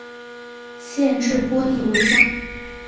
县治玻利维亚。